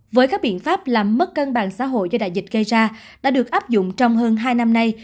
với các biện pháp làm mất cân bằng xã hội do đại dịch gây ra đã được áp dụng trong hơn hai năm nay